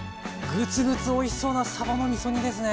グツグツおいしそうなさばのみそ煮ですね。